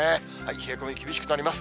冷え込み厳しくなります。